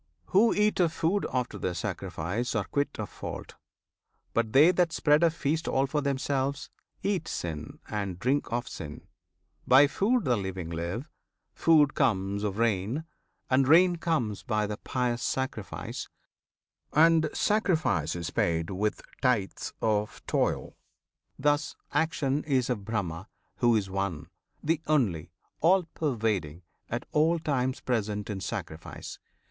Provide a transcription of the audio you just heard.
Who eat of food after their sacrifice Are quit of fault, but they that spread a feast All for themselves, eat sin and drink of sin. By food the living live; food comes of rain, And rain comes by the pious sacrifice, And sacrifice is paid with tithes of toil; Thus action is of Brahma, who is One, The Only, All pervading; at all times Present in sacrifice.